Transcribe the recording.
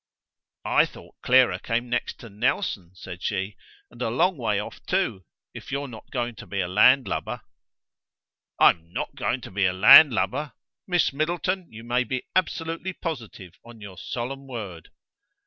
"I thought Clara came next to Nelson," said she; "and a long way off too, if you're not going to be a landlubber." "I'm not going to be a landlubber. Miss Middleton, you may be absolutely positive on your solemn word."